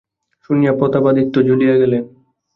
শুনিয়া প্রতাপাদিত্য জ্বলিয়া গেলেন।